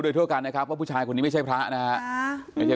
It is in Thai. โดยทั่วกันนะครับว่าผู้ชายคนนี้ไม่ใช่พระนะครับ